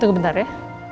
tunggu bentar ya